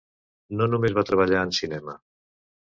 No només va treballar en cinema.